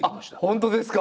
本当ですか！